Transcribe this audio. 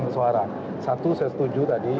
satu saya setuju tadi